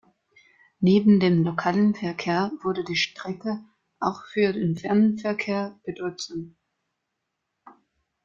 Neben dem lokalen Verkehr wurde die Strecke auch für den Fernverkehr bedeutsam.